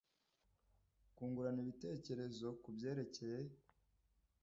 kungurana ibitekerezo ku byerekeye